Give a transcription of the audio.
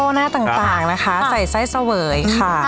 อร่อยมากใช่มั้ย